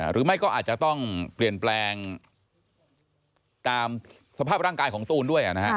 หรือไม่ก็อาจจะต้องเปลี่ยนแปลงตามสภาพร่างกายของตูนด้วย